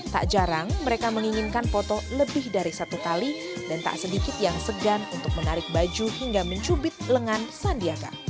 tak jarang mereka menginginkan foto lebih dari satu kali dan tak sedikit yang segan untuk menarik baju hingga mencubit lengan sandiaga